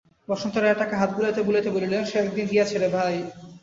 বসন্ত রায় টাকে হাত বুলাইতে বুলাইতে বলিলেন, সে একদিন গিয়াছে রে ভাই।